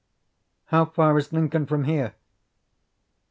"How far is Lincoln from here?"